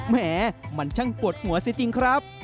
แหมมันช่างปวดหัวสิจริงครับ